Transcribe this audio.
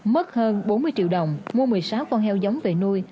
mất hơn bốn mươi triệu đồng mua một mươi sáu con heo giống về nuôi